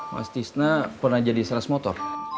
mas tisna pernah jadi seras motor